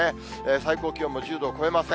最高気温も１０度を超えません。